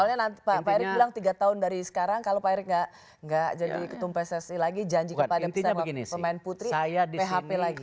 soalnya nanti pak erick bilang tiga tahun dari sekarang kalau pak erick nggak jadi ketum pssi lagi janji kepada pemain putri php lagi